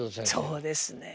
そうですね。